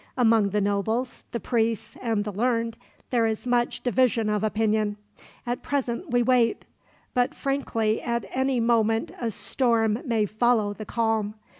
"Among the nobles, the priests, and the learned there is much division of opinion. At present we wait; but frankly, at any moment a storm may follow the calm.